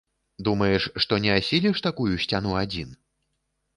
Думаеш, што не асіліш такую сцяну адзін?